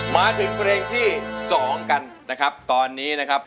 มาถึงเพลงที่๒กันนะครับตอนนี้นะครับ